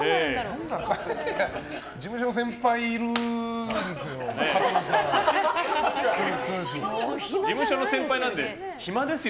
事務所の先輩いるんですよ。